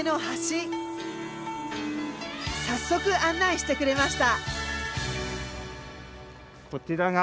早速案内してくれました。